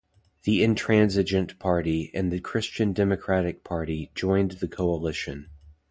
The Intransigent Party and the Christian Democratic Party joined the coalition.